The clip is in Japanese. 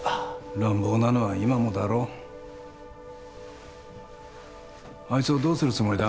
乱暴なのは今もだろあいつをどうするつもりだ？